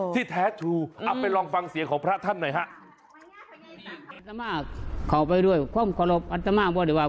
ที่แท้ทูเอาไปลองฟังเสียงของพระท่านหน่อยฮะ